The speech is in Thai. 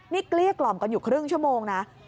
นี่เกลี้ยกล่อมกันอยู่ครึ่งชั่วโมงนะ